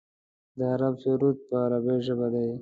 د عرب سرود په عربۍ ژبه دی.